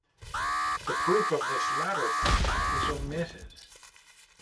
The proof of this latter part is omitted.